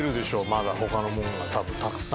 まだ他のものが多分たくさん。